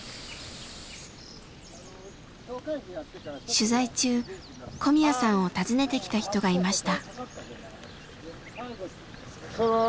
取材中小宮さんを訪ねてきた人がいました。